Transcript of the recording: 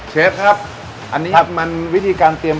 เชฟครับอันนี้ครับมันวิธีการเตรียม